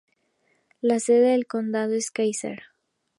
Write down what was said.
La sede del condado es Keyser.